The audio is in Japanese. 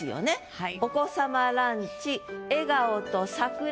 はい。